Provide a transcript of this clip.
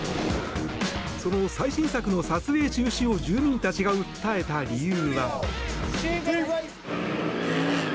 その最新作の撮影中止を住民たちが訴えた理由は。